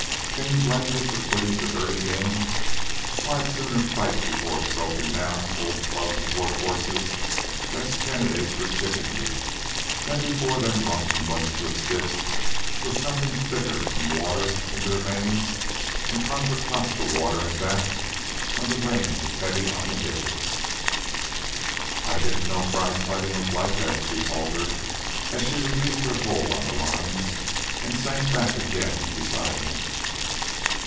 Can you blame me for quittin' the dirty game? Why, I'd sooner fight before broke down old plugs of work horses that's candidates for chicken meat, than before them rotten bunches of stiffs with nothin' thicker'n water in their veins, an' Contra Costa water at that when the rains is heavy on the hills." "I... I didn't know prizefighting was like that," she faltered, as she released her hold on the lines and sank back again beside him.